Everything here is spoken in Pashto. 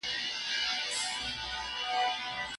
یرحمک الله ووایئ.